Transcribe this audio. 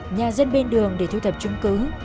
nhà dân bên đường để thu thập chứng cứ